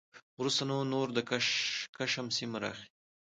وروسته نو نور د کشم سیمه راخي